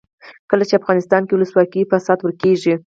کله چې افغانستان کې ولسواکي وي فساد ورک کیږي.